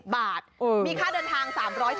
๖๐บาทมีค่าเดินทาง